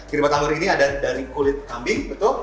kirbat anggur ini ada dari kulit kambing betul